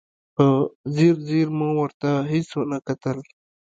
په ځیر ځیر مو ورته هېڅ نه و کتلي.